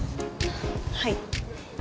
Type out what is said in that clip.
はい。